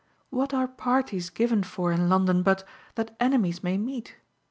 What are parties given for in London but that enemies may meet?